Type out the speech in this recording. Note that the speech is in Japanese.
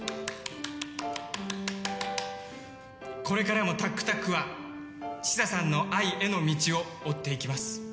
これからもタックタックは千紗さんの愛への道を追っていきます。